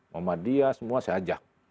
mama dia semua saya ajak